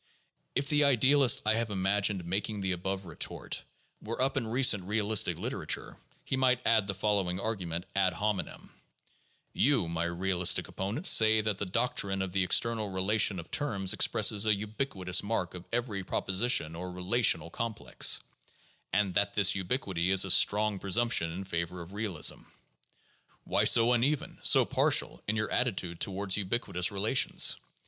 If the idealist I have imagined making the above retort were up in recent realistic literature, he might add the following argument ad hominem: "You, my realistic opponent, say that the doctrine of the external relation of terms expresses a ubiquitous mark of every proposition or relational complex, and that this ubiquity is a strong presumption in favor of realism. Why so uneven, so partial, in your attitude toward ubiquitous relations?